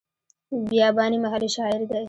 بیاباني محلي شاعر دی.